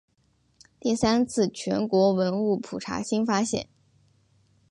第三次全国文物普查新发现。